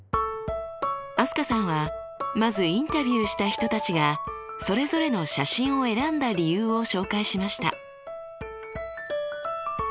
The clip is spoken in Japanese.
飛鳥さんはまずインタビューした人たちがそれぞれの写真を選んだ理由を紹介しました。